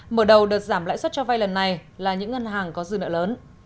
mở đầu đợt giảm lãi suất cho vay lần này là những ngân hàng có dư nợ lớn